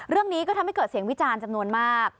เรื่องนี้ก็ทำให้เกิดเสียงวิจารณ์จำนวนมาก